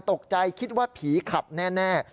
ตกใจคิดว่าผีขับแน่